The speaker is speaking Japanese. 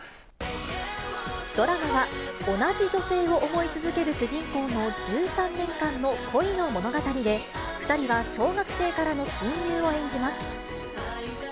ドラマは、同じ女性を思い続ける主人公の１３年間の恋の物語で、２人は小学生からの親友を演じます。